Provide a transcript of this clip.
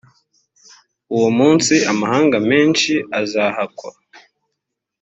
uwo munsi amahanga menshi azahakwa